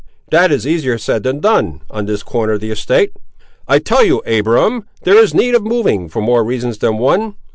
"That is easier said than done, on this corner of the estate. I tell you, Abiram, there is need of moving, for more reasons than one.